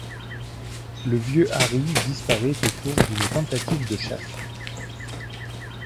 Le vieux Hari disparaît au cours d’une tentative de chasse.